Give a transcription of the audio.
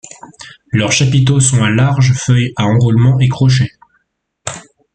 Leurs chapiteaux sont à larges feuilles à enroulements et crochets.